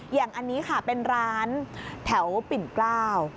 อย่างอันนี้ค่ะเป็นร้านแถวปิ่นกล้า